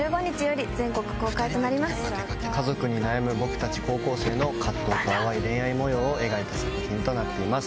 家族に悩む僕たち高校生の藤と淡い恋愛模様を描いた作品となっています。